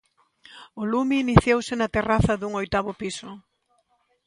O lume iniciouse na terraza dun oitavo piso.